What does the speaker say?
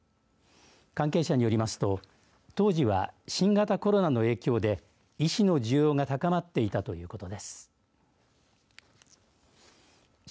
関係者によりますと、当時は新型コロナの影響で医師の需要が高まっていたということです。